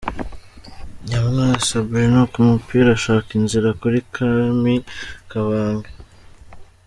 Nyamwasa Bruno ku mupira ashaka inzira kuri Kami Kabange .